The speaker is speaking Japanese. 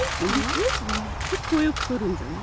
結構よく捕るんじゃない？